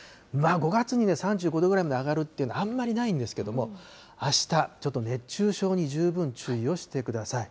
５月に３５度ぐらいまで上がるって、あんまりないんですけど、あした、ちょっと熱中症に十分注意をしてください。